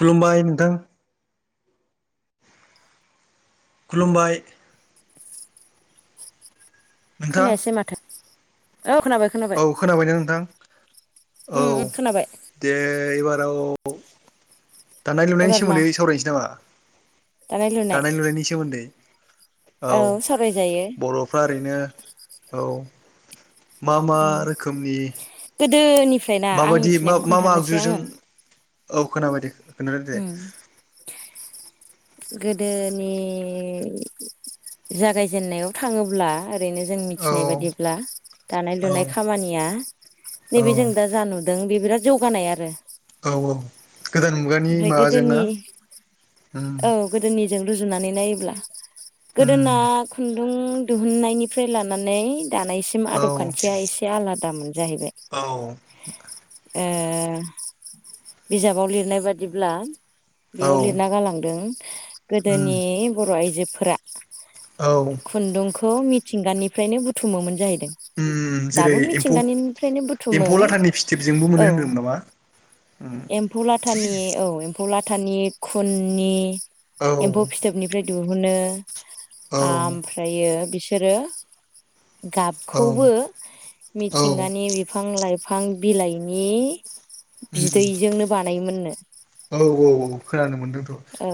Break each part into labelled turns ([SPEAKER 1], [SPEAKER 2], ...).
[SPEAKER 1] खुलुमबाय नोंथां। खुलुमबाय। नोंथां
[SPEAKER 2] खोनायासै माथो। औ खोनाबाय खोनाबाय
[SPEAKER 1] औ खोनाबायना नोंथां
[SPEAKER 2] उम
[SPEAKER 1] औ
[SPEAKER 2] उम खोनाबाय
[SPEAKER 1] दे। एबाराव दानाय लुनायनि
[SPEAKER 2] एबार मा
[SPEAKER 1] सोमोन्दै सावरायनोसै नामा दानाय लुनायनि सोमोन्दै। औ बर'फ्रा ओरै नो औ मा मा रोखोमनि
[SPEAKER 2] गोदोनिफ्रायना आं
[SPEAKER 1] माबायदि मा
[SPEAKER 2] मिथिनायखौ
[SPEAKER 1] मा मा
[SPEAKER 2] खोन्थानोसै
[SPEAKER 1] आगजुजों
[SPEAKER 2] आङो।
[SPEAKER 1] औ खोनाबायदे खोनथादो दे।
[SPEAKER 2] उम गोदोनि जागायजेननायाव थाङोब्ला थारैनो जों
[SPEAKER 1] औ
[SPEAKER 2] मिथिनाय बादिब्ला दानाय
[SPEAKER 1] औ
[SPEAKER 2] लुनाय खामानिया नैबे जों
[SPEAKER 1] औ
[SPEAKER 2] दा जा नुदों बे बिराद जौगानाय आरो।
[SPEAKER 1] औ औ गोदान मुगानि
[SPEAKER 2] ओमफ्राय
[SPEAKER 1] माबाजोंना
[SPEAKER 2] गोदोनि
[SPEAKER 1] उम।
[SPEAKER 2] जों रुजुनानै नायोब्ला
[SPEAKER 1] उम
[SPEAKER 2] गोदोना खु न्दुं दिहुननायनिफ्राय लानानै दानायसिम
[SPEAKER 1] औ
[SPEAKER 2] आदब खान्थिया एसे आलादामोन जाहैबाय।
[SPEAKER 1] औ
[SPEAKER 2] ओ बिजाबाव लिरनाय बादिब्ला
[SPEAKER 1] औ
[SPEAKER 2] बेयाव लिरना गालांदों
[SPEAKER 1] उम
[SPEAKER 2] गोदोनि बर' आइजोफोरा
[SPEAKER 1] औ
[SPEAKER 2] खुन्दुंखौ मिथिंगानिफ्रायनो बुथुमोमोन जाहैदों।
[SPEAKER 1] उम
[SPEAKER 2] दाबो
[SPEAKER 1] जेरै एम्फौ
[SPEAKER 2] मिथिंगानिनफ्रायनो बुथुमो
[SPEAKER 1] एम्फौ लाथानि फिथोबजोंबो मोनो
[SPEAKER 2] औ।
[SPEAKER 1] होनदोंमोन नामा?
[SPEAKER 2] एम्फौ लाथानि औ। एम्फौ लाथानि खुननि
[SPEAKER 1] औ
[SPEAKER 2] एम्फौ फिथोबनिफ्राय दिहुनो।
[SPEAKER 1] औ
[SPEAKER 2] आमफ्रायो बिसोरो
[SPEAKER 1] औ
[SPEAKER 2] गाबखौबो
[SPEAKER 1] औ
[SPEAKER 2] मिथिंगानि बिफां लाइफां बिलाइनि बिदैजोंनो बानायोमोननो।
[SPEAKER 1] औ औ औ खोनानो मोन्दों
[SPEAKER 2] औ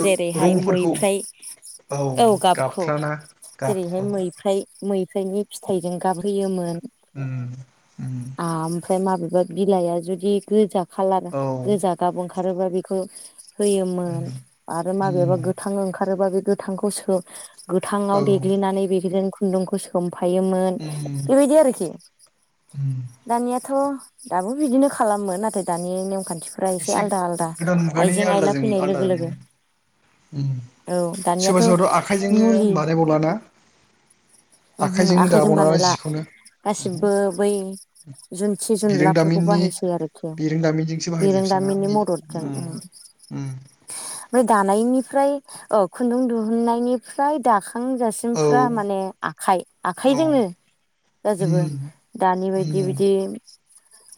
[SPEAKER 2] जेरैहाय मैफ्राय औ गाबखौ
[SPEAKER 1] गाबफ्राना
[SPEAKER 2] जेरैहाय
[SPEAKER 1] गाबखौ
[SPEAKER 2] मैफ्राय मै [unintelligible] आमफ्राय माबेबा बिलाइआ जुदि गोजा खाालार
[SPEAKER 1] औ
[SPEAKER 2] गोजा गाब ओं [unintelligible] गोथांखौ सो गोथांआव देग्लिनानै बेेग्लिनानै खुन्दुंखौ सोम फायोमोन
[SPEAKER 1] औ
[SPEAKER 2] बेबायदि आरोखि दानियाथ' दाबो बिदिनो खालामो नाथाय दानि नेमखान्थि ओमफ्राय एसे आलदा आलदा
[SPEAKER 1] गोदान मुगानि
[SPEAKER 2] आइजें आयला
[SPEAKER 1] आलदाजों
[SPEAKER 2] फैनाय
[SPEAKER 1] आलदा
[SPEAKER 2] लोगो लोगो औ
[SPEAKER 1] सोरबा
[SPEAKER 2] दानियाथ'
[SPEAKER 1] सोरबाथ' आखाइजोंनो
[SPEAKER 2] मुलि
[SPEAKER 1] बानायबावलाना
[SPEAKER 2] ओमहो
[SPEAKER 1] आखाइजोंनो
[SPEAKER 2] आखाइजों
[SPEAKER 1] दाबावला
[SPEAKER 2] बानायला
[SPEAKER 1] जिखौनो
[SPEAKER 2] गासिबो बै जोन्थि-जोनलाफोरखौ
[SPEAKER 1] बिरोंदामिननि
[SPEAKER 2] बाहायसै आरोखि
[SPEAKER 1] बिरोंदामिनजोंसो
[SPEAKER 2] बिरोंदामिननि मददजों ओम
[SPEAKER 1] ओम
[SPEAKER 2] बै दानायनिफ्राय औ खुन्दुं दुहुननायनिफ्राय
[SPEAKER 1] औ
[SPEAKER 2] दाखांजासिमफ्रा माने आखाइ
[SPEAKER 1] औ
[SPEAKER 2] आखाइजोंनो जाजोबो
[SPEAKER 1] उम
[SPEAKER 2] दानि बायदि
[SPEAKER 1] उम
[SPEAKER 2] बिदि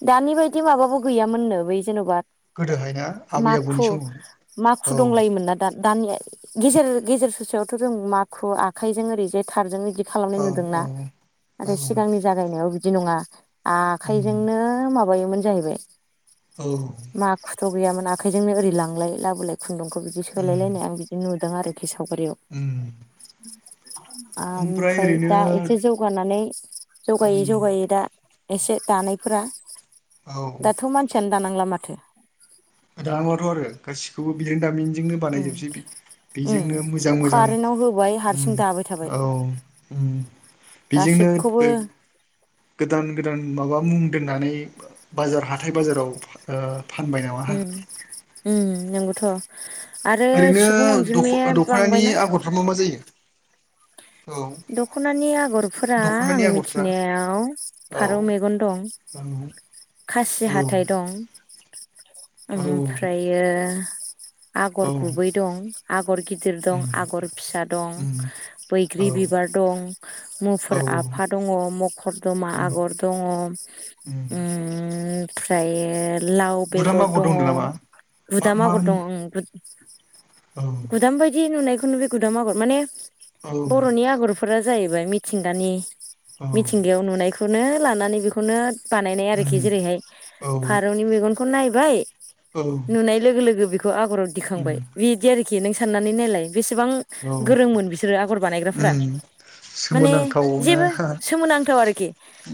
[SPEAKER 2] दानि बायदि माबाबो गैयामोननो बै जेन'बा
[SPEAKER 1] गोदोहाय ना आबै आबौनि
[SPEAKER 2] माखु
[SPEAKER 1] समाव
[SPEAKER 2] माखु
[SPEAKER 1] औ
[SPEAKER 2] दंलायोमोन ना दा दानिया गेजेर गेजेर ससेयावथ' जों माखु आखाइजों ओरैजाय थारजों बिदि खालामनाय
[SPEAKER 1] औ
[SPEAKER 2] नुदोंना
[SPEAKER 1] औ औ
[SPEAKER 2] आरो सिगांनि जागायनायाव बिदि नङा
[SPEAKER 1] उम
[SPEAKER 2] आखाइजोंनो माबायोमोन जाहैबाय
[SPEAKER 1] औ
[SPEAKER 2] माखुथ' गैयामोन आखाइजोंनो ओरै लांलाय लाबोलाय खुन्दुंखौ बिदि
[SPEAKER 1] उम
[SPEAKER 2] सोलायलायनाय आं बिदि नुदों आरोखि सावगारियाव
[SPEAKER 1] उम ओमफ्राय
[SPEAKER 2] आमफ्राय
[SPEAKER 1] ओरैनो
[SPEAKER 2] दा एसे जौगानाय माने जौगायै
[SPEAKER 1] उम
[SPEAKER 2] जौगायै दा एसे दानायफोरा
[SPEAKER 1] औ
[SPEAKER 2] दाथ' मानसियानो दानांला माथो
[SPEAKER 1] दानाथ' आरो गासिखौबो बिरोंदामिनजोंनो
[SPEAKER 2] उम
[SPEAKER 1] बानायजोबसै बि
[SPEAKER 2] उम
[SPEAKER 1] बेजोंनो मोजां मोजां
[SPEAKER 2] कारेन्टाव होबाय
[SPEAKER 1] ओम
[SPEAKER 2] हारसिं दाबाय थाबाय
[SPEAKER 1] औ ओम बेजोंनो
[SPEAKER 2] गासिबखौबो
[SPEAKER 1] उम गोदान गोदान माबा मुं दोननानै बाजार, हाथाय-बाजाराव ओ फानबाय नामा
[SPEAKER 2] उम उम नोंगौथ' आरो
[SPEAKER 1] ओरैनो
[SPEAKER 2] सुबुं
[SPEAKER 1] दख
[SPEAKER 2] अनजिमाया
[SPEAKER 1] दख'नानि
[SPEAKER 2] बांबायना
[SPEAKER 1] आगरफ्रा मा जायो औ
[SPEAKER 2] दख'नानि आगरफोरा
[SPEAKER 1] दख'नानि
[SPEAKER 2] आं
[SPEAKER 1] आगरफ्रा
[SPEAKER 2] मिथिनायाव
[SPEAKER 1] औ
[SPEAKER 2] फारौ मेगन दं,
[SPEAKER 1] औ
[SPEAKER 2] खासि हाथाइ दं
[SPEAKER 1] औ
[SPEAKER 2] ओमफ्रायो
[SPEAKER 1] औ
[SPEAKER 2] आगर गुबै दं, आगर गिदिर दं,
[SPEAKER 1] उम
[SPEAKER 2] आगर फिसा दं,
[SPEAKER 1] उम
[SPEAKER 2] बैग्रि
[SPEAKER 1] औ
[SPEAKER 2] बिबार दं,
[SPEAKER 1] औ
[SPEAKER 2] मुफुर आफा दङ, मखर दमा
[SPEAKER 1] उम
[SPEAKER 2] आगर दङ
[SPEAKER 1] उम
[SPEAKER 2] ओमफ्रायो लाव
[SPEAKER 1] गुदाम
[SPEAKER 2] बेगर
[SPEAKER 1] आगर
[SPEAKER 2] दङ,
[SPEAKER 1] दंनो नामा मा
[SPEAKER 2] गुदाम
[SPEAKER 1] मा
[SPEAKER 2] आगर दङ ओं
[SPEAKER 1] औ
[SPEAKER 2] गुदाम बायदि नुनायखौ बे गुदाम आगर माने
[SPEAKER 1] औ
[SPEAKER 2] बर'नि आगरफोरा जाहैबाय मिथिंगानि
[SPEAKER 1] औ
[SPEAKER 2] मिथिंगायाव नुनाय खौनो लानानै बेखौनो बानायनाय आरोखि
[SPEAKER 1] उम
[SPEAKER 2] जेरैहाय
[SPEAKER 1] औ औ
[SPEAKER 2] फारौनि मेगनखौ नायबाय नुनाय लोगो लोगो बेखौ आगराव
[SPEAKER 1] उम
[SPEAKER 2] दिखांबाय बिदि आरोखि नों साननानै नायलाय बेसेबां
[SPEAKER 1] औ
[SPEAKER 2] गोरोंमोन बिसोरो आगर बानायग्रा फोरा
[SPEAKER 1] उम
[SPEAKER 2] माने
[SPEAKER 1] सोमोनांथावना
[SPEAKER 2] जेबो सोमोनांथाव आरोखि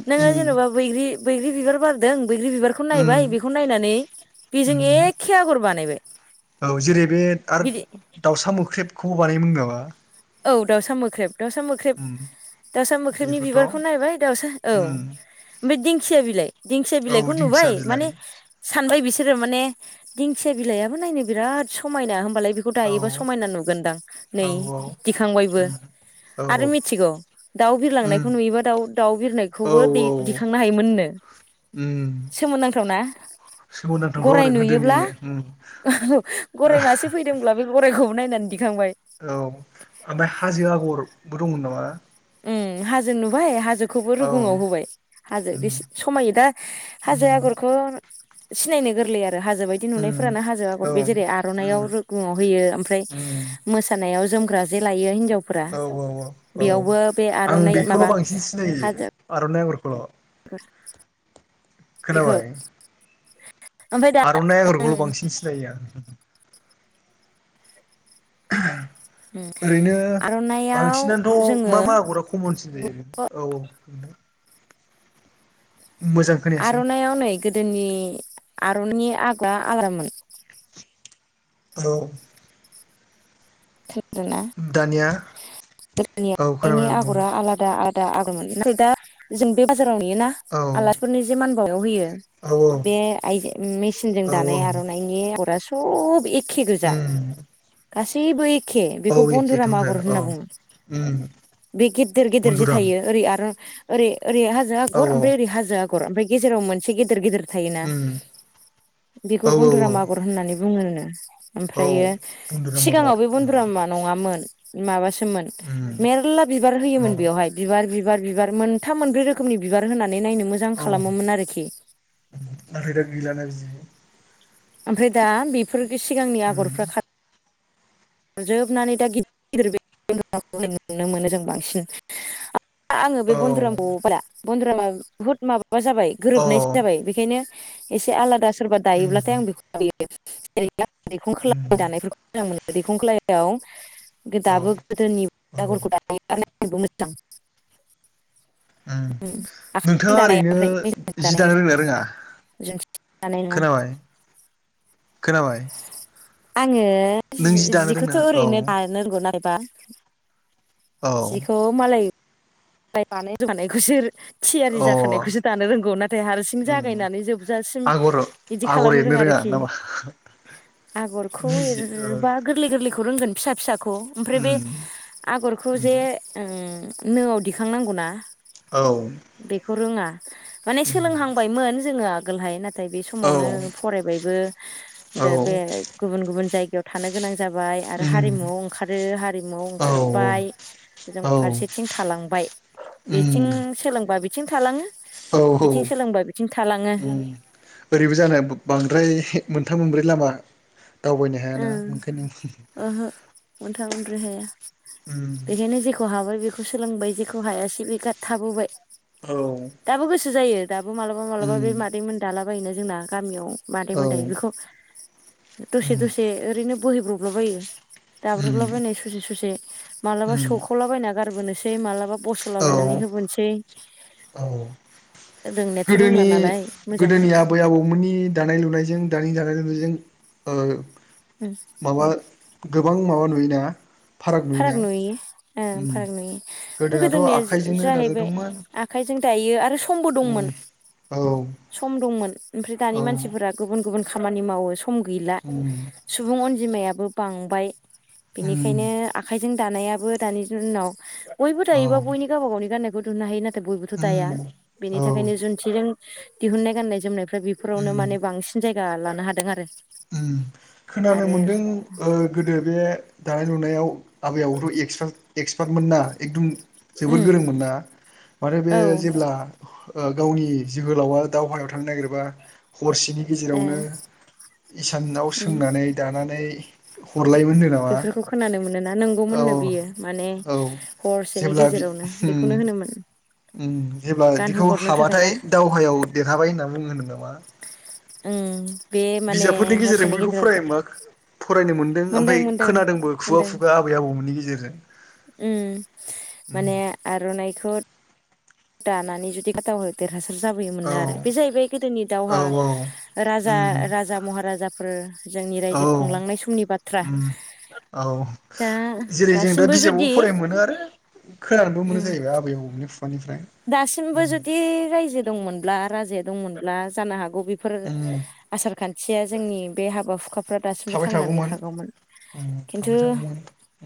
[SPEAKER 2] नोङो
[SPEAKER 1] उम
[SPEAKER 2] जेन'बा बैग्रि बैग्रि बिबार बारदों बैग्रि बिबारखौ नायबाय
[SPEAKER 1] उम
[SPEAKER 2] बेखौ नायनानै बेजों एखे आगर बानायबाय
[SPEAKER 1] औ जेरै बे आर
[SPEAKER 2] बिदि
[SPEAKER 1] दाउसा मोख्रेबखौबो बानायोमोन नामा?
[SPEAKER 2] औ दाउसा मोख्रेब दाउसा मोख्रेब
[SPEAKER 1] उम
[SPEAKER 2] दाउसा मोख्रेबनि
[SPEAKER 1] बेखौथ'
[SPEAKER 2] बिबारखौ नायबाय दाउसा औ
[SPEAKER 1] उम
[SPEAKER 2] ओमफ्राय दिं खिया बिलाइ दिंखया
[SPEAKER 1] औ
[SPEAKER 2] बिलाइखौ
[SPEAKER 1] दिंखिया
[SPEAKER 2] नुबाय
[SPEAKER 1] बिलाइ
[SPEAKER 2] माने सानबाय बिसोरो माने दिंखिया बिलाइाबो नायनो बिराद समायना होमबालाय बेखौ
[SPEAKER 1] औ
[SPEAKER 2] दायोबा समायना नुगोनदां नै
[SPEAKER 1] औ औ
[SPEAKER 2] दिखांबायबो।
[SPEAKER 1] उम औ
[SPEAKER 2] आरो
[SPEAKER 1] उम
[SPEAKER 2] मिथिगौ दाउ बिरलांनायखौ नुयोबा दाउ-दाउ
[SPEAKER 1] औ
[SPEAKER 2] बिरनायखौबो दै
[SPEAKER 1] औ
[SPEAKER 2] दिखांनो हायोमोननो।
[SPEAKER 1] उम
[SPEAKER 2] सोमोनांथावना?
[SPEAKER 1] सोमोनांथावथ'
[SPEAKER 2] गराय
[SPEAKER 1] आरो गोदोनि
[SPEAKER 2] नुयोब्ला
[SPEAKER 1] उम
[SPEAKER 2] औ गराय मासे फैदोंब्ला बे गरायखौबो नाय
[SPEAKER 1] औ ओमफ्राय हाजो आगरबो दंमोन नामा?
[SPEAKER 2] उम हाजो नुबाय हाजो खौबो
[SPEAKER 1] औ उम
[SPEAKER 2] रुगुङाव होबाय हाजो बे
[SPEAKER 1] उम
[SPEAKER 2] समायो दा हाजो आगरखौ सिनायनो गोरलै आरो हाजो बायदि
[SPEAKER 1] उम
[SPEAKER 2] नुनायफोरानो हाजो आगर
[SPEAKER 1] औ
[SPEAKER 2] बे
[SPEAKER 1] उम
[SPEAKER 2] जेरै आरनायाव रुगुआव होयो ओमफ्राय
[SPEAKER 1] उम
[SPEAKER 2] मोसानायाव जोम ग्रा जे लायो हिनजावफोरा
[SPEAKER 1] औ औ औ
[SPEAKER 2] बेयावबो बे
[SPEAKER 1] आं
[SPEAKER 2] आरनाइ माबा
[SPEAKER 1] बेखौल' बांसिन सिनायो
[SPEAKER 2] हाजो
[SPEAKER 1] आर'नाइ आगरखौल'
[SPEAKER 2] [inaudible] बेखौ
[SPEAKER 1] खोनाबाय।
[SPEAKER 2] ओमफ्राय दा
[SPEAKER 1] आरनाइ आगरखौल बांसिन सिनायो आरो [inaudible] ओरैनो
[SPEAKER 2] आर'नाइआव
[SPEAKER 1] बांसिनानोथ
[SPEAKER 2] जोङो
[SPEAKER 1] मा मा आगरा खमनसिन जायो? औ औ मोजां खोनायासै
[SPEAKER 2] आरनायाव नै गोदोनि आरननि आग्ला आग्रामोन
[SPEAKER 1] औ
[SPEAKER 2] आरोना
[SPEAKER 1] दानिया औ
[SPEAKER 2] गोदोनि
[SPEAKER 1] खोनाबाय बुं
[SPEAKER 2] आगरा आलादा आरो दा आगर मोनोना ओमफ्राय दा जों बे बाजाराव नुयोना
[SPEAKER 1] औ
[SPEAKER 2] आलासिफोरनो जि मान बाउनायाव होयो-
[SPEAKER 1] औ
[SPEAKER 2] बे आइजो मेसिनजों
[SPEAKER 1] औ
[SPEAKER 2] दानाय आरनाइनि अगरा सब एख
[SPEAKER 1] उम
[SPEAKER 2] गांजेबो एखे
[SPEAKER 1] औ
[SPEAKER 2] बेखौ
[SPEAKER 1] एखेथ'
[SPEAKER 2] बन्धुराम आगर
[SPEAKER 1] आरो औ
[SPEAKER 2] होनना बुङो।
[SPEAKER 1] उम
[SPEAKER 2] बे गेददेर गेदेर जे
[SPEAKER 1] बन्दुराम
[SPEAKER 2] थायो ओरै आरो ओरै ओरै हाजो
[SPEAKER 1] औ
[SPEAKER 2] आगर
[SPEAKER 1] औ
[SPEAKER 2] ओमफ्राय ओरै हाजो आगर ओमफ्राय गेजेराव मोनसे गेदेर गेदेर थायोना
[SPEAKER 1] उम औ
[SPEAKER 2] बेखौ
[SPEAKER 1] औ
[SPEAKER 2] बन्धुराम आगर होननानै बुङो
[SPEAKER 1] औ
[SPEAKER 2] ओमफ्रायो
[SPEAKER 1] बन्दुराम आगर
[SPEAKER 2] सिगाङाव बे
[SPEAKER 1] उम
[SPEAKER 2] बन्दुरामा नङामोन माबासो मोन
[SPEAKER 1] उम
[SPEAKER 2] मेरला बिबार होयोन
[SPEAKER 1] माबा
[SPEAKER 2] बेयावहाय बिबार बिबार बिबार मोनथाम मोनब्रै रोखोमनि बिबार होनानै बे नायनो मोजां
[SPEAKER 1] औ
[SPEAKER 2] खालामोमोन आरोखि
[SPEAKER 1] नाथाय दा गैलाना बिदि
[SPEAKER 2] ओमफ्राय दा बेफोर सिगांनि
[SPEAKER 1] उम
[SPEAKER 2] आगरफ्रा खार जोबनानै दा गिदिर गिदिर बे आगरखौ नुनो मोनो जों बांसिन- आङो बे
[SPEAKER 1] औ
[SPEAKER 2] बन्दुरामखौ [unintelligible] बन्दुरामा बहुत माबा जाबाय
[SPEAKER 1] औ
[SPEAKER 2] गोरोबनाय जाबाय बेखायनो एसे आलादा सोरबा
[SPEAKER 1] उम
[SPEAKER 2] दायोब्लाथाय आं बेखौ लायो जेरै- आ दैखं
[SPEAKER 1] उम
[SPEAKER 2] खलायाव दानायफोरखौ मोजां मोनो दैखं खलायनायाव गो
[SPEAKER 1] औ
[SPEAKER 2] दाबो गोदोनि
[SPEAKER 1] औ
[SPEAKER 2] आगरखौ दानायानोबो मोजां उम आखायजों
[SPEAKER 1] नोंथाङा
[SPEAKER 2] दानाया
[SPEAKER 1] ओरैनो
[SPEAKER 2] ओमफ्राय मेसिनजों
[SPEAKER 1] जि
[SPEAKER 2] दानाय
[SPEAKER 1] दानो
[SPEAKER 2] नों-
[SPEAKER 1] रोंना रोङा
[SPEAKER 2] जों सि जानाय नङा
[SPEAKER 1] खोनाबाय खोनाबाय
[SPEAKER 2] आङो
[SPEAKER 1] नों
[SPEAKER 2] जि
[SPEAKER 1] दानो रोंना
[SPEAKER 2] जिखौथ
[SPEAKER 1] औ
[SPEAKER 2] ओरैनो दानो रोंगौ नायबा
[SPEAKER 1] औ
[SPEAKER 2] जिखौ मालाय फ्राय बानाय रोंखानायखौ सोर थियारि
[SPEAKER 1] अ
[SPEAKER 2] जाखानायखौसो दानो रोंगौ नाथाय हारसिं
[SPEAKER 1] उम
[SPEAKER 2] जागायनानै जोबजासिम
[SPEAKER 1] आगर
[SPEAKER 2] बिदि
[SPEAKER 1] आगर
[SPEAKER 2] खालामनो रोङा आरोखि
[SPEAKER 1] [unintelligible]
[SPEAKER 2] आगरखौ
[SPEAKER 1] निजि ओ
[SPEAKER 2] एरोबा गोरलै गोरलैखौ रोंगोन फिसा फिसाखौ ओमफ्राय बे
[SPEAKER 1] उम
[SPEAKER 2] आगरखौ
[SPEAKER 1] उम
[SPEAKER 2] जे ओं नोआव दिख थिखांनांगौना
[SPEAKER 1] औ
[SPEAKER 2] बेखौ रोङा माने सोलोंहांबायमोन जोङो आगोल हाय नाथाय बे
[SPEAKER 1] औ
[SPEAKER 2] समावनो फरायबायबो
[SPEAKER 1] औ
[SPEAKER 2] दो बे गुबुन गुबुन जायगायाव थानो गोनां जाबाय बाय आरो
[SPEAKER 1] उम
[SPEAKER 2] हारिमुआव ओंखारो हारिमुआव
[SPEAKER 1] औ
[SPEAKER 2] ओंखारबाय जों फारसेथिं थालांबाय बेथिं
[SPEAKER 1] उम
[SPEAKER 2] सोलोंबा बिथिं थालाङो
[SPEAKER 1] औ औ
[SPEAKER 2] बिथिं सोलोंबा बिथिं थालाङो
[SPEAKER 1] उम ओरैबो जानोबो बांद्राय मोनथाम मोनब्रै लामा दावबायनो हायाना ओंखायनो
[SPEAKER 2] अनथा मोननब्रै हाया
[SPEAKER 1] उम
[SPEAKER 2] बेखायनो जेखौ हाबाय बेखौ खौ सोलोंबाय जेखौ हायासै बे गार थाबोबाय
[SPEAKER 1] औ
[SPEAKER 2] दाबो गोसो जायो। दाबो मालाबा
[SPEAKER 1] उम
[SPEAKER 2] मालाबा बे मादैमोन दाला बायो जोंना गामियाव
[SPEAKER 1] औ
[SPEAKER 2] मादैमोन दानायखौ दसे
[SPEAKER 1] उम
[SPEAKER 2] दसे ओरैनो बोहैब्रब बायो।
[SPEAKER 1] उम
[SPEAKER 2] दाब्रबलाबायनाय सुसे सुसे माबलाबा
[SPEAKER 1] उम
[SPEAKER 2] सौखावलाबायना गारबोनोसै मालाबा माबा बस'लाबायनानै
[SPEAKER 1] औ
[SPEAKER 2] होबोनोसै
[SPEAKER 1] औ
[SPEAKER 2] रोंनायाथ' रोंला
[SPEAKER 1] गोदोनि
[SPEAKER 2] नालाय मोजाङै
[SPEAKER 1] गोदोनि आबै आबौमोननि दानाय लुनायजों दानि दानाय लुनायजों ओ
[SPEAKER 2] उम
[SPEAKER 1] माबा गोबां माबा नुयोना? फाराग नुयो ना?
[SPEAKER 2] ओ फाराग नुयो, गोदोनिया
[SPEAKER 1] आखाइजोंनो
[SPEAKER 2] जा-जाहैबाय
[SPEAKER 1] दाजादोंमोन
[SPEAKER 2] आखाइजों दायो आरो समबो
[SPEAKER 1] उम
[SPEAKER 2] दंमोन
[SPEAKER 1] औ
[SPEAKER 2] सम दंमोन, ओमफ्राय दानि
[SPEAKER 1] औ
[SPEAKER 2] मानसिफोरा गुबुन गुबुन खामानि मावो सम गैला
[SPEAKER 1] उम
[SPEAKER 2] सुबुं अनजिमायाबो बांबाय।
[SPEAKER 1] उम
[SPEAKER 2] बेनिखायनो आखाइजों दानायाबो दानि दिनाव बयबो
[SPEAKER 1] औ
[SPEAKER 2] दायोबा बयनि गावबा गावनि गाननायखौ दुनो हायो। नाथाय बयबोथ' दाया
[SPEAKER 1] उम
[SPEAKER 2] बेनि
[SPEAKER 1] औ
[SPEAKER 2] थाखायनो जुन्थिजों दिहुननाय गान्नाय जोमनायफ्रा बेफोरावनो माने बांसिन जायगा लानो हादों आरो।
[SPEAKER 1] ओम खोनानो
[SPEAKER 2] आरो
[SPEAKER 1] मोनदों ओ गोदो बे दानाय लुनायाव आबै आबौआथ' एक्स-एक्सपार्टमोनना एकदम जोबोर
[SPEAKER 2] उम
[SPEAKER 1] गोरोंमोन ना माथो बे
[SPEAKER 2] औ
[SPEAKER 1] जेब्ला ओ गावनि जोहोलावा दावहायाव थांनो नागिरोबा हरसेनि
[SPEAKER 2] ए
[SPEAKER 1] गेजेरावनो इसानाव
[SPEAKER 2] उम
[SPEAKER 1] सोंनानै दानानै हरलायोमोन होनदों नामा
[SPEAKER 2] बेफोरखौ खोनानो मोनोना,
[SPEAKER 1] औ
[SPEAKER 2] नंगौमोननो बियो माने
[SPEAKER 1] औ
[SPEAKER 2] हरसेनि गेजेराव [unintelligible] बेखौनो होनोमोन।
[SPEAKER 1] ओम जेब्ला बिदिखौ
[SPEAKER 2] गानहोहरनो थाखाय
[SPEAKER 1] हाबाथाय
[SPEAKER 2] ना
[SPEAKER 1] दावहायाव देरहाबाय होनना बुङो नामा
[SPEAKER 2] उम। बे माने
[SPEAKER 1] बिजाबफोरनि गेजेरजोंबो
[SPEAKER 2] हरसेनि
[SPEAKER 1] बैखौ
[SPEAKER 2] गेजेराव
[SPEAKER 1] फराया मा फरायनो मोन दों
[SPEAKER 2] मोनदों
[SPEAKER 1] ओमफ्राय
[SPEAKER 2] मोनदों
[SPEAKER 1] खोनादोंबो खुगा खुगा आबै आबौमोननि गेजेरजों।
[SPEAKER 2] ओ माने आर'नाइखौ दानानै जुदि खथ [unintelligible] देरहासार जाबोयोमोन
[SPEAKER 1] औ
[SPEAKER 2] आरो, बे जाहैबाय गोदोनि
[SPEAKER 1] औ
[SPEAKER 2] दावहा राजा
[SPEAKER 1] उम
[SPEAKER 2] राजा महाराजा फोर जोंनि
[SPEAKER 1] औ
[SPEAKER 2] रायजो खुंलांनाय समनि बाथ्रा।
[SPEAKER 1] उम औ
[SPEAKER 2] दा
[SPEAKER 1] जेरै जों दा
[SPEAKER 2] दासिमबो
[SPEAKER 1] बिजाबावबो
[SPEAKER 2] जुदि
[SPEAKER 1] फरायनो मोनो आरो खोनानोबो मोनो
[SPEAKER 2] उम
[SPEAKER 1] जाहैबाय आबै आबौनि
[SPEAKER 2] दासिमबो जुदि रायजो दंमोनब्ला राजाया दंमोनब्ला जानो हागौ बेफोर
[SPEAKER 1] उम
[SPEAKER 2] आसार खान्थिया जोंनि बे हाबा हुखा फ्रा दासिमबो थांनानै थागौमोन
[SPEAKER 1] उम
[SPEAKER 2] खिन्थु
[SPEAKER 1] थाबाय थागौमोन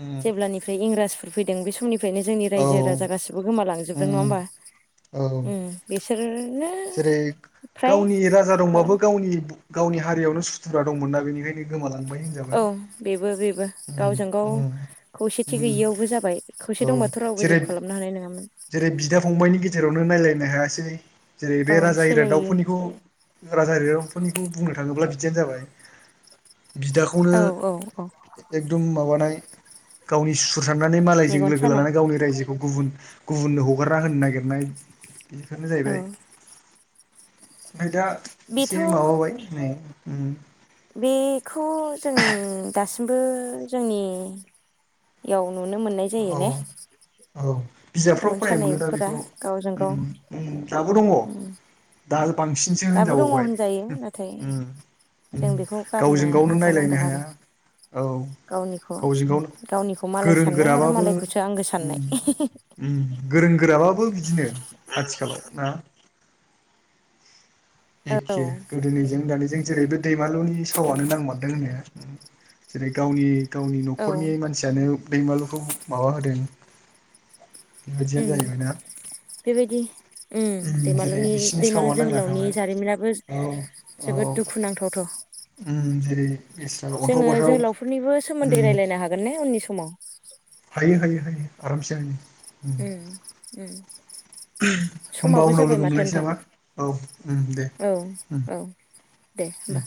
[SPEAKER 1] उम
[SPEAKER 2] जेब्लानिफ्राय इंराज फोर फैदों बे समनिफ्रायनो जोंनि
[SPEAKER 1] औ
[SPEAKER 2] रायजो राजा गासिबो गोमालांजोबदों नङा
[SPEAKER 1] उम
[SPEAKER 2] होमबा।
[SPEAKER 1] औ
[SPEAKER 2] उम बिसोर
[SPEAKER 1] जेरै गावनि राजा
[SPEAKER 2] खालाम
[SPEAKER 1] दंबाबो गावनि गावनि हारियावनो सुथुरा दंमोनना बेनिखायनो गोमालांबाय होनजाबाय
[SPEAKER 2] औ बेबो बेबो।
[SPEAKER 1] उम
[SPEAKER 2] गावजों गाव
[SPEAKER 1] उम
[SPEAKER 2] खौसेथि
[SPEAKER 1] उम
[SPEAKER 2] गैयियावबो जाबाय
[SPEAKER 1] औ
[SPEAKER 2] खौसे दंबाथ' रावबो
[SPEAKER 1] जेरै
[SPEAKER 2] जेबो खालामनो हानाय नङा।
[SPEAKER 1] जेरै बिदा फंबाइनि गेजेरावनो नायलायनो हायासै। जेरै
[SPEAKER 2] औ
[SPEAKER 1] बे राजा
[SPEAKER 2] सोलायो
[SPEAKER 1] इरागदावफोरनिखौ राजा इरागदावफोरनिबो बुंनो थाङोब्ला बिदियानो जाबाय बिदाखौनो एदम माबा नानै गावनि सुुथुर सान्नानै मालायजों
[SPEAKER 2] मेगन
[SPEAKER 1] लोगो
[SPEAKER 2] सानाय
[SPEAKER 1] लानानै गावनि रायजोखौ गुबुन गुबुननो हगारना होनो नागिरनाय बेफोरनो
[SPEAKER 2] औ
[SPEAKER 1] जाहैबाय ओमफाय दा
[SPEAKER 2] बेथ'
[SPEAKER 1] एसे माबाबाय नै ओ
[SPEAKER 2] बेखौ जों दासिमबो जोंनियाव नुनो मोननाय जायो
[SPEAKER 1] औ
[SPEAKER 2] ने?
[SPEAKER 1] औ बिजाबफ्राव
[SPEAKER 2] मेगन
[SPEAKER 1] फरायनो मोनो दा
[SPEAKER 2] सानायफोरा
[SPEAKER 1] बेखौ
[SPEAKER 2] गावजों गाव
[SPEAKER 1] उम उम दाबो दङ दा बांसिनसो
[SPEAKER 2] दाबो दङ
[SPEAKER 1] होनजाबावबाय।
[SPEAKER 2] होनजायो नाथाय
[SPEAKER 1] ओम। ओं
[SPEAKER 2] जों बेखौ गारनो
[SPEAKER 1] गावजों गावनो नायलायनो
[SPEAKER 2] नाजानांगोन
[SPEAKER 1] हाया।
[SPEAKER 2] आरो
[SPEAKER 1] औ
[SPEAKER 2] गावनिखौ
[SPEAKER 1] गावजों गाव
[SPEAKER 2] गावनिखौ मालाय
[SPEAKER 1] गोरों
[SPEAKER 2] साननाय आरो
[SPEAKER 1] गोराबाबो
[SPEAKER 2] मालायखौसो आंगो साननाय
[SPEAKER 1] ओम। ओम गोरों गोराबाबो बिदिनो आथिखालाव ना?
[SPEAKER 2] औ
[SPEAKER 1] एखे गोदोनिजों दानि जों जेरैबो दैमालुनि
[SPEAKER 2] औ
[SPEAKER 1] सावनो नांमारदों होननाया। जेरै गावनि गावनि
[SPEAKER 2] औ
[SPEAKER 1] न'खरनि मानसियानो दैमालुखौ माबा होदों बेबायदियानो
[SPEAKER 2] उम
[SPEAKER 1] जाहैबाय ना?
[SPEAKER 2] बेबायदि ओम
[SPEAKER 1] उम जेरै
[SPEAKER 2] दैमालुनि
[SPEAKER 1] बिसिनि
[SPEAKER 2] दैमालु
[SPEAKER 1] सावा नांना
[SPEAKER 2] जोहोलावनि
[SPEAKER 1] थांबाय
[SPEAKER 2] जारिमिनाबो
[SPEAKER 1] औ औ
[SPEAKER 2] जोबोद दुखुुनांथावथाव
[SPEAKER 1] उम जेरै बेस्रा अन्थाव
[SPEAKER 2] जोङो
[SPEAKER 1] बाथाव
[SPEAKER 2] जोहोलावफोरनिबो
[SPEAKER 1] उम
[SPEAKER 2] सोमोन्दै राय्लायनो हागोन ने उननि समाव
[SPEAKER 1] हायो हायो हायो आरामसे हायो। उम
[SPEAKER 2] ओम ओम।
[SPEAKER 1] होमबा
[SPEAKER 2] समाबो
[SPEAKER 1] उनाव
[SPEAKER 2] जाबाय
[SPEAKER 1] लोगो
[SPEAKER 2] माथो
[SPEAKER 1] मोनलायसै
[SPEAKER 2] नोंथां
[SPEAKER 1] नामा औ उम दे
[SPEAKER 2] औ
[SPEAKER 1] उम
[SPEAKER 2] औ। दे
[SPEAKER 1] उम
[SPEAKER 2] होमबा।